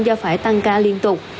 do phải tăng ca liên tục